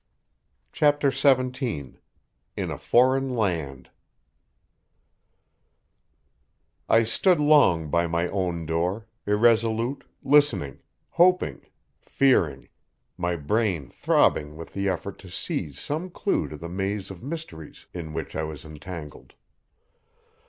CHAPTER XVII IN A FOREIGN LAND I stood long by my own door, irresolute, listening, hoping, fearing, my brain throbbing with the effort to seize some clue to the maze of mysteries in which I was entangled.